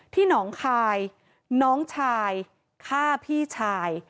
หนองคายน้องชายฆ่าพี่ชาย